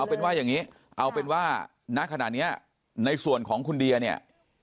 เป็นว่าอย่างนี้เอาเป็นว่าณขณะนี้ในส่วนของคุณเดียเนี่ย